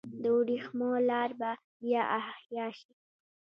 د ورېښمو لار به بیا احیا شي؟